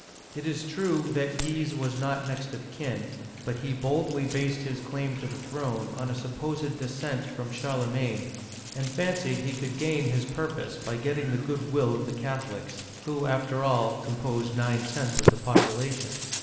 It is true that Guise was not next of kin, but he boldly based his claim to the throne on a supposed de scent from Charlemagne, and fancied he could gain his purpose by getting the good will of the Catholics, who after all composed nine tenths of the population.